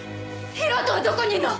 広斗はどこにいるの！？